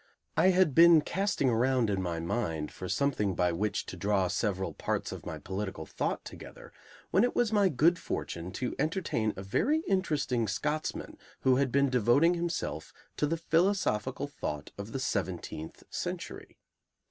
I had been casting around in my mind for something by which to draw several parts of my political thought together when it was my good fortune to entertain a very interesting Scotsman who had been devoting himself to the philosophical thought of the seventeenth century.